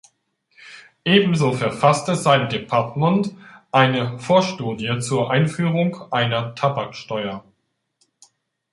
Ebenso verfasste sein Departement eine Vorstudie zur Einführung einer Tabaksteuer.